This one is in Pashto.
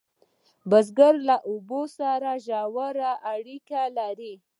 بزګر له اوبو سره ژوره اړیکه لري